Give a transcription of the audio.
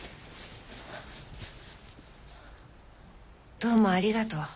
どうもありがとう。